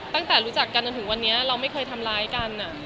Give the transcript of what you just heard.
ตั้งแต่รู้จักกันจนถึงวันนี้เราไม่เคยทำร้ายกัน